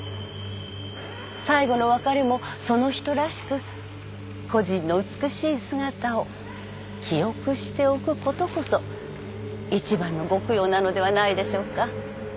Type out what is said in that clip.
最後の別れもその人らしく故人の美しい姿を記憶しておくことこそ一番のご供養なのではないでしょうか。